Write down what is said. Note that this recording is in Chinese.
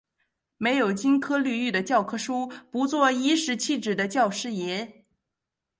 没有金科绿玉的教科书，不做颐使气指的教师爷